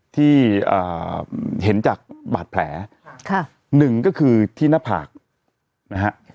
ที่เห็นจากบาดแผลค่ะหนึ่งก็คือที่หน้าผากนะฮะ